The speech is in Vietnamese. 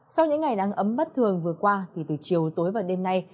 sau những ngày đang ấm bất thường vừa qua thì từ chiều tối vào đêm nay